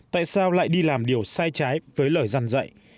tại sao lại đi làm điều sai trái với lời dặn dạy